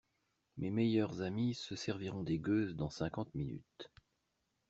Mes meilleurs amis se serviront des gueuses dans cinquante minutes.